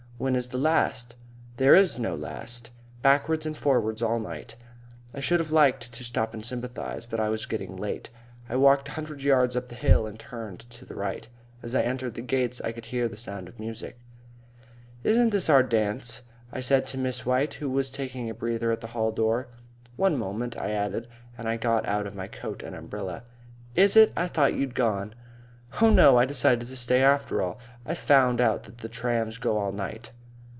"When is the last?" "There's no last. Backwards and forwards all night." I should have liked to stop and sympathise, but it was getting late. I walked a hundred yards up the hill and turned to the right.... As I entered the gates I could hear the sound of music. "Isn't this our dance?" I said to Miss White, who was taking a breather at the hall door. "One moment," I added and I got out of my coat and umbrella. "Is it? I thought you'd gone." "Oh, no, I decided to stay, after all. I found out that the trams go all night."